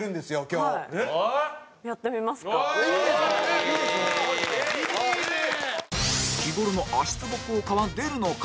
日頃の足つぼ効果は出るのか？